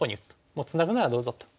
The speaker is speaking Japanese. もうツナぐならどうぞと。